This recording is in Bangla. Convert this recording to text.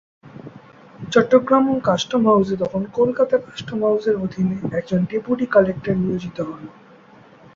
চট্টগ্রাম কাস্টম হাউসে তখন কলকাতা কাস্টম হাউসের অধীনে একজন ডেপুটি কালেক্টর নিয়োজিত হন।